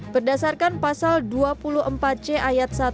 berdasarkan pasal dua puluh empat c ayat tujuh belas